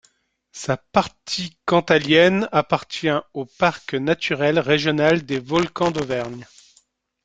Sa partie cantalienne appartient au parc naturel régional des volcans d'Auvergne.